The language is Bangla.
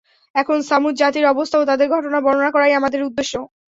এখন ছামূদ জাতির অবস্থা ও তাদের ঘটনা বর্ণনা করাই আমাদের উদ্দেশ্য।